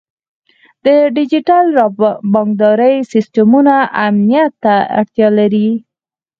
د ډیجیټل بانکدارۍ سیستمونه امنیت ته اړتیا لري.